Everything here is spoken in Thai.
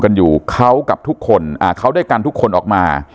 กันอยู่เขากับทุกคนอ่าเขาด้วยกันทุกคนออกมา